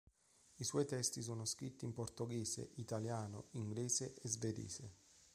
I suoi testi sono scritti in portoghese, italiano, inglese e svedese.